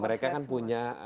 mereka kan punya